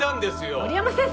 森山先生！